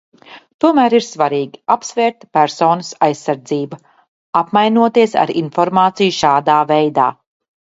Tomēr ir svarīgi apsvērt personas aizsardzību, apmainoties ar informāciju šādā veidā.